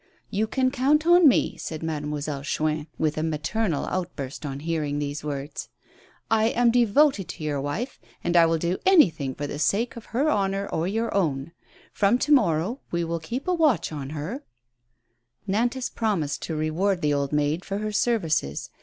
"You can count on me," said Mademoiselle Chuin, with a maternal outburst on hearing these words. " I am devoted to your wife, I will do anything for the sake of her honor or your own. From to morrow we will keep a watch on her." TREACHERY. 99 Nantas promised to reward tlie old maid for her ser vices.